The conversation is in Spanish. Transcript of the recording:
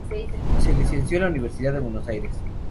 Se licenció en la Universidad de Buenos Aires.